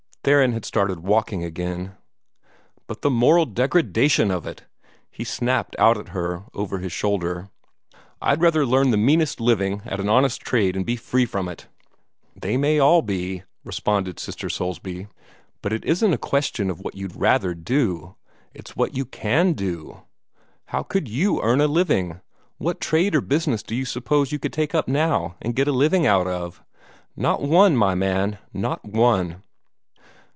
Theron had started walking again. "But the moral degradation of it!" he snapped out at her over his shoulder. "I'd rather earn the meanest living, at an honest trade, and be free from it." "That may all be," responded Sister Soulsby. "But it isn't a question of what you'd rather do. It's what you can do. How could you earn a living? What trade or business do you suppose you could take up now, and get a living out of? Not one, my man, not one."